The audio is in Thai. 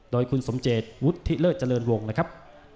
โดยคุณสมเจตวุฒิเลิศเจริญวงศ์นะครับ